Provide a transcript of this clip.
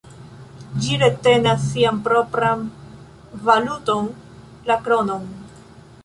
Ĝi retenas sian propran valuton, la kronon.